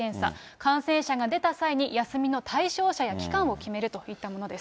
感染者が出た際に休みの対象者や期間を決めるといったものです。